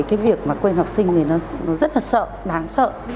cái việc mà quên học sinh thì nó rất là sợ đáng sợ